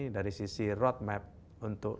dari sisi roadmap untuk